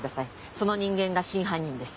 その人間が真犯人です。